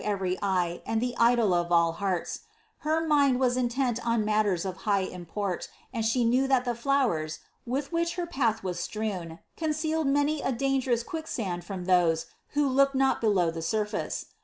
iy eye and llie idol of all hearts, her mind wu inient on matters of high import, and she knew that ihe flowers, with which her path was strewn, concealed many a dangerous quickanit from those who looked noi below the surfece.